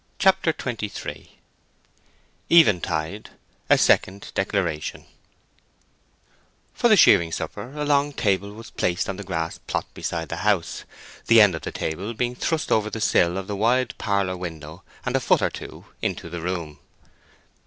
CHAPTER XXIII EVENTIDE—A SECOND DECLARATION For the shearing supper a long table was placed on the grass plot beside the house, the end of the table being thrust over the sill of the wide parlour window and a foot or two into the room.